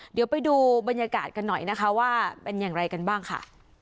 เดี๋ยวไปดูบรรยากาศกันหน่อยนะคะว่าเป็นอย่างไรกันบ้างค่ะ